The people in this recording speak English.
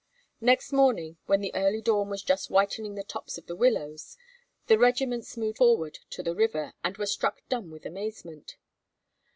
Next morning when the early dawn was just whitening the tops of the willows, the regiments moved forward to the river and were struck dumb with amazement.